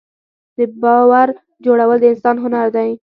د باور جوړول د انسان هنر دی.